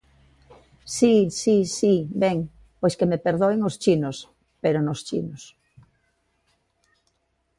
Si, si, si, ben, pois que me perdoen os chinos, pero nos chinos.